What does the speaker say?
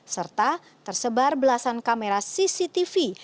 serta tersebar belasan kamera cctv